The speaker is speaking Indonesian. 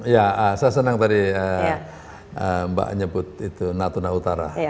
ya saya senang tadi mbak nyebut itu natuna utara